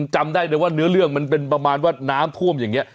จำได้เลยว่าเนื้อเรื่องมันเป็นประมาณว่าน้ำท่วมอย่างนี้